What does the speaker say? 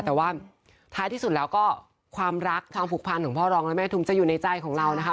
แต่ว่าท้ายที่สุดแล้วก็ความรักความผูกพันของพ่อรองและแม่ทุมจะอยู่ในใจของเรานะคะ